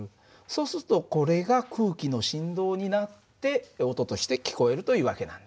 そうするとこれが空気の振動になって音として聞こえるという訳なんだ。